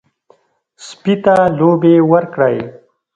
سپي ته لوبې ورکړئ.